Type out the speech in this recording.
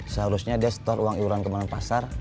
seharusnya dia store uang iuran ke malam pasar